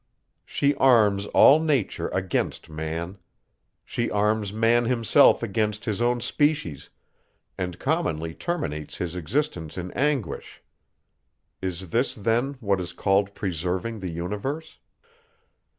She arms all nature against man. She arms man himself against his own species, and commonly terminates his existence in anguish. Is this then what is called preserving the universe?